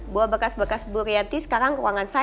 buah bekas bekas burianti sekarang ke ruangan saya ya